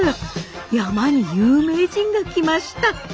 山に有名人が来ました。